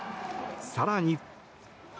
更に。